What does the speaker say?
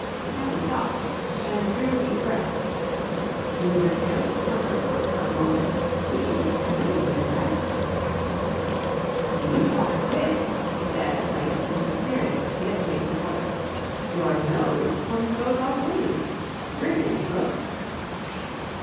Sally stopped and drew a deep breath. Ginger Kemp did not reply for a moment. He seemed greatly impressed. "When you talk quick," he said at length, in a serious meditative voice, "your nose sort of goes all squiggly. Ripping, it looks!"